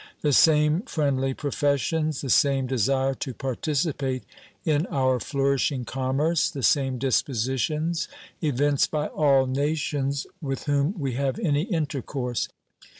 The same friendly professions, the same desire to participate in our flourishing commerce, the same dispositions, evinced by all nations with whom we have any intercourse.